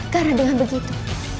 karena dengan begitu